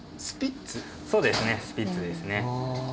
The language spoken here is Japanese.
そうですねスピッツですね。